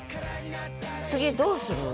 次どうする？